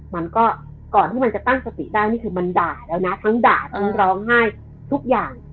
มันก็ก่อนที่มันจะตั้งสติได้นี่คือมันด่าแล้วนะทั้งด่าทั้งร้องไห้ทุกอย่าง